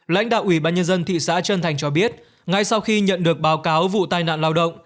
lãnh đạo ủy ban nhân dân thị xã trân thành cho biết ngay sau khi nhận được báo cáo vụ tai nạn lao động